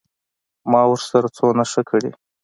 ما ورسره څونه ښه کړي.